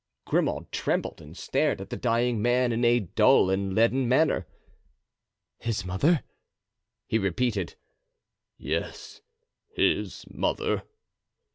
Grimaud trembled and stared at the dying man in a dull and leaden manner. "His mother!" he repeated. "Yes, his mother."